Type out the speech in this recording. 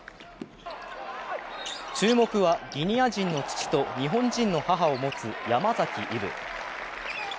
注目はギニア人の父と日本人の母を持つ山崎一渉。